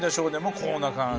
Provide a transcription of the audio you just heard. こんな感じ。